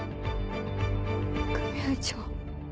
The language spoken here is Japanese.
組合長。